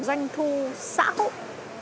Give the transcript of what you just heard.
doanh thu xã hội